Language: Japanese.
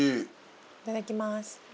いただきます。